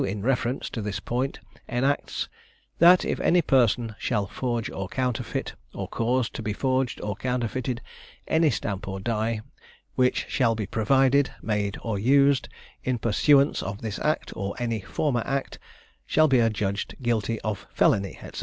in reference to this point enacts, "That if any person shall forge or counterfeit, or cause to be forged or counterfeited, any stamp or die, which shall be provided, made, or used, in pursuance of this Act, or of any former Act," shall be adjudged guilty of felony, &c.